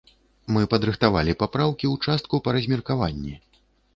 Мы падрыхтавалі папраўкі ў частку па размеркаванні.